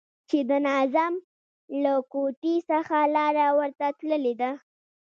چې د ناظم له کوټې څخه لاره ورته تللې ده.